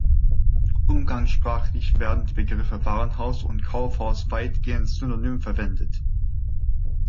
Umgangssprachlich werden die Begriffe Warenhaus und Kaufhaus weitgehend synonym verwendet.